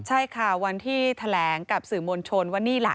ใช่ค่ะวันที่แถลงกับสื่อมวลชนว่านี่ล่ะ